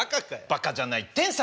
バカじゃない天才！